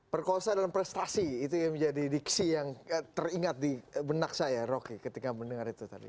perkosa dan prestasi itu yang menjadi diksi yang teringat di benak saya rocky ketika mendengar itu tadi